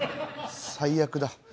最悪だ。